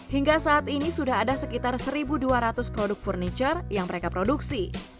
hingga saat ini sudah ada sekitar satu dua ratus produk furniture yang mereka produksi